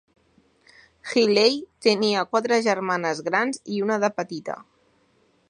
Healey tenia quatre germanes grans i una de petita.